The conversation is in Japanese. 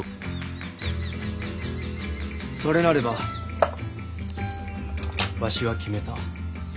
それなればわしは決めた。